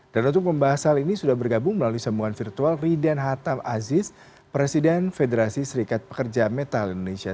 dan untuk pembahasan ini sudah bergabung melalui sambungan virtual riden hatam aziz presiden federasi serikat pekerja metal indonesia